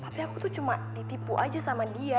tapi aku tuh cuma ditipu aja sama dia